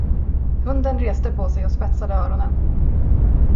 Hunden reste på sig och spetsade öronen.